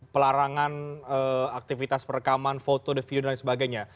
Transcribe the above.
pelarangan aktivitas perekaman foto dan video dan lain sebagainya